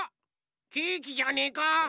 ケーキじゃねえか？